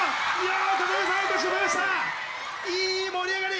いい盛り上がり！